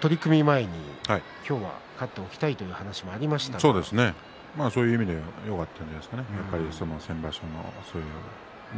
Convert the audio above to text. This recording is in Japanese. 取組前に今日は勝っておきたいという話がそういう意味でよかったと思いますよ。